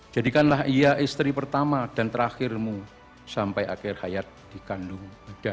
jadikanlah ia istri pertama dan terakhirmu sampai akhir hayat dikandung